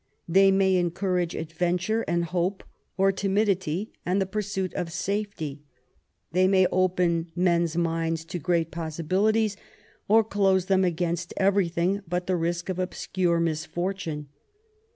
They may encourage adventure and hope, or timidity and the pursuit of safety. They may open men's minds to great possibilities, or close them against everything but the risk of obscure misfortune.